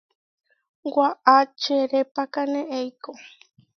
Waʼá čerepákane eikó.